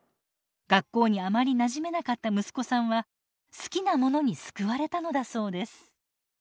学校にあまりなじめなかった息子さんは好きなものに救われたのだそうです。